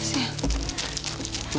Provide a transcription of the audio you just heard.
siapa sih ya